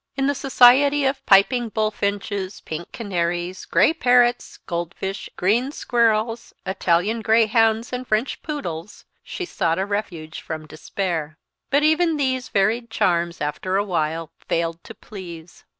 In the society of piping bullfinches, pink canaries, gray parrots, goldfish, green squirrels, Italian greyhounds, and French poodles, she sought a refuge from despair. But even these varied charms, after a while, failed to please.